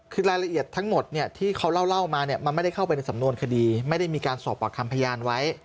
คือรายละเอียดทั้งหมดที่เขาเล่ามาเนี่ยมันไม่ได้เข้าไปในสำนวนคดีไม่ได้มีการสอบปากคำพยานไว้